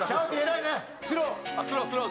スロー。